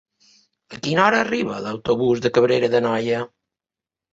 A quina hora arriba l'autobús de Cabrera d'Anoia?